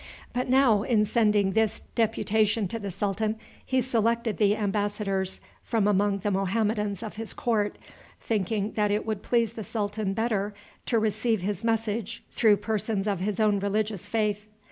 But now, in sending this deputation to the sultan, he selected the embassadors from among the Mohammedans at his court, thinking that it would please the sultan better to receive his message through persons of his own religious faith.